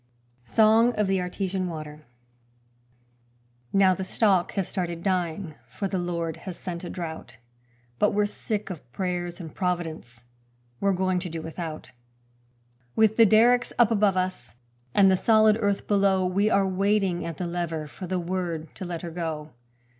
Song of the Artesian Water Now the stock have started dying, for the Lord has sent a drought; But we're sick of prayers and Providence we're going to do without; With the derricks up above us and the solid earth below, We are waiting at the lever for the word to let her go.